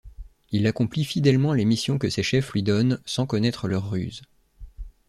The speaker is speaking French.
Il accomplit fidèlement les missions que ses chefs lui donnent sans connaître leurs ruses.